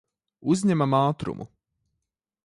Uzņemam ātrumu.